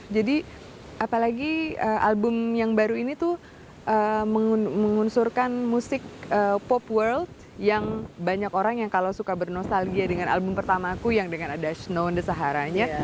jadi apalagi album yang baru ini tuh mengunsurkan musik pop world yang banyak orang yang kalau suka bernostalgia dengan album pertama aku yang dengan ada snow in the sahara nya